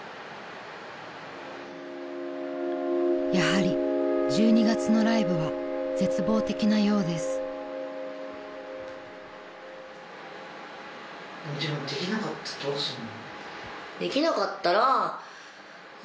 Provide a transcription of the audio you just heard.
［やはり１２月のライブは絶望的なようです］できなかったら。